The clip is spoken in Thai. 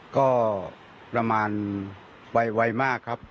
ก็ประมาณไวมากครับ